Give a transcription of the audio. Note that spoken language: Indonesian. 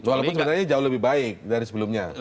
walaupun sebenarnya jauh lebih baik dari sebelumnya